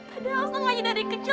padahal nga aja dari kecil